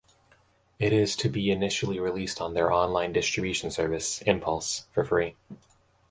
It is to be initially released on their online distribution service, Impulse for free.